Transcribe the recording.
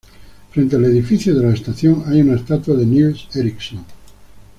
Frente al edificio de la estación hay una estatua de Nils Ericson.